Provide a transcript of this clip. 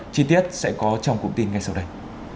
chi tiết sẽ có trong cụm tin ngay sau đây